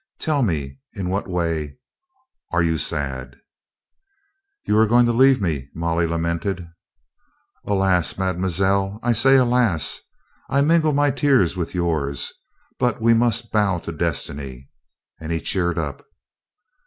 Tell me in what way you are 111?" "You are going to leave me," Molly lamented. "Alas ! Mademoiselle, I say alas ! I mingle my 386 COLONEL GREATHEART tears with yours. But we must bow to destiny." And he cheered up.